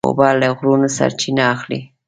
اوبه له غرونو سرچینه اخلي.